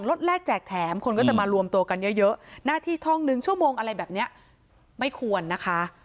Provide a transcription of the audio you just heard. แรกแจกแถมคนก็จะมารวมตัวกันเยอะหน้าที่ท่องหนึ่งชั่วโมงอะไรแบบนี้ไม่ควรนะคะ